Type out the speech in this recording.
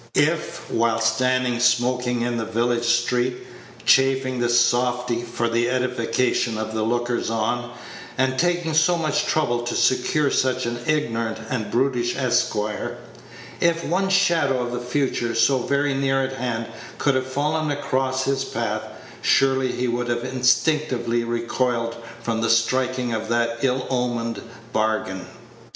If, while standing smoking in the village street, chaffing the softy for the edification of the lookers on, and taking so much trouble to secure such an ignorant and brutish esquire if one shadow of the future, so very near at hand, could have fallen across his path, surely he would have instinctively recoiled from the striking of that ill omened bargain.